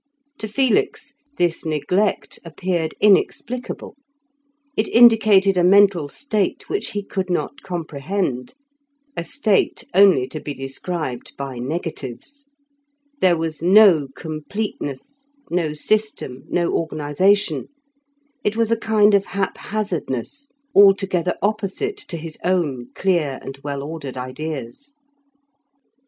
To Felix this neglect appeared inexplicable; it indicated a mental state which he could not comprehend, a state only to be described by negatives. There was no completeness, no system, no organization; it was a kind of haphazardness, altogether opposite to his own clear and well ordered ideas.